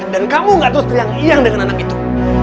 dan kamu gak terus teriak teriak dengan anak itu